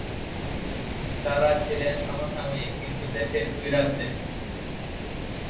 তারা ছিলেন সমসাময়িক, কিন্তু দেশের দুই রাজ্যে।